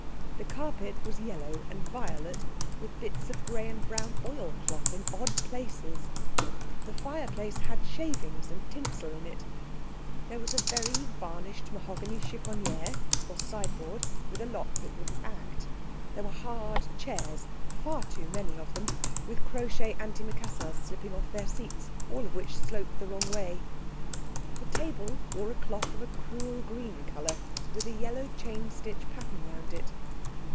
The carpet was yellow, and violet, with bits of grey and brown oilcloth in odd places. The fireplace had shavings and tinsel in it. There was a very varnished mahogany chiffonier, or sideboard, with a lock that wouldn't act. There were hard chairs—far too many of them—with crochet antimacassars slipping off their seats, all of which sloped the wrong way. The table wore a cloth of a cruel green colour with a yellow chain stitch pattern round it.